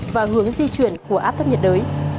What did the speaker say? và hướng di chuyển của áp thấp nhiệt đới